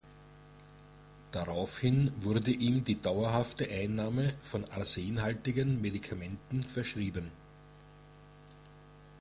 Daraufhin wurde ihm die dauerhafte Einnahme von arsenhaltigen Medikamenten verschrieben.